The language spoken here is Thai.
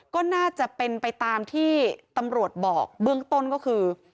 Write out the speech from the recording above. ก็น่าจะเป็นไปตามที่ตำรวจบอกเบื้องต้นก็คือ